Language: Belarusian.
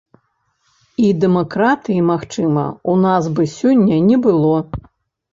І дэмакратыі, магчыма, у нас бы сёння не было.